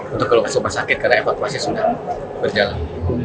untuk ke lokasi masakit karena evakuasi sudah berjalan